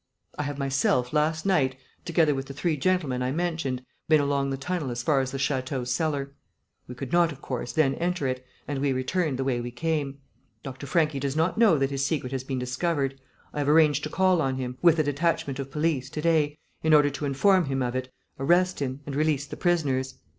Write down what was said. "I have myself, last night, together with the three gentlemen I mentioned, been along the tunnel as far as the château cellar. We could not, of course, then enter it, and we returned the way we came. Dr. Franchi does not know that his secret has been discovered. I have arranged to call on him, with a detachment of police, to day, in order to inform him of it, arrest him, and release the prisoners.